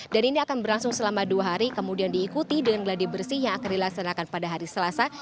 dan ini akan berlangsung selama dua hari kemudian diikuti dengan geladi bersih yang akan dilaksanakan pada hari selasa